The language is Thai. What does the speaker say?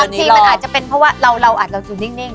บางทีมันอาจจะเป็นเพราะว่าเราอาจจะนิ่ง